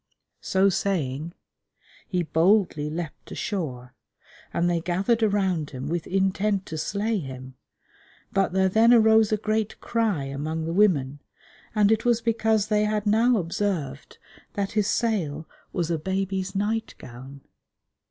So saying, he boldly leapt ashore, and they gathered around him with intent to slay him, but there then arose a great cry among the women, and it was because they had now observed that his sail was a baby's night gown.